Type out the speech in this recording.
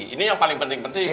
ini yang paling penting penting